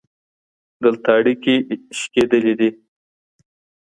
دلته اړيکي شلېدلي وي.